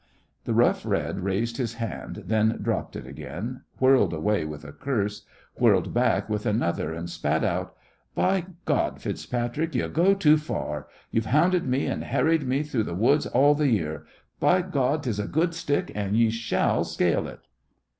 The Rough Red raised his hand, then dropped it again; whirled away with a curse; whirled back with another, and spat out: "By God, FitzPatrick, ye go too far! Ye've hounded me and harried me through th' woods all th' year! By God, 'tis a good stick, an' ye shall scale it!"